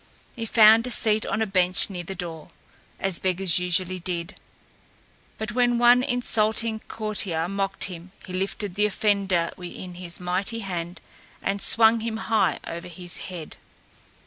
He found a seat on a bench near the door, as beggars usually did; but when one insulting courtier mocked him he lifted the offender in his mighty hand and swung him high over his head.